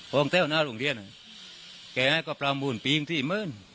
ห้องเท่าน้าโรงเรียนไงก็ประมูลปีนที่เหมือน